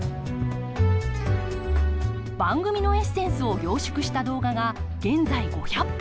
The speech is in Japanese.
番組のエッセンスを凝縮した動画が現在５００本。